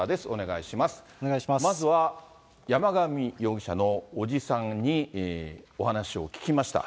まずは山上容疑者の伯父さんにお話を聞きました。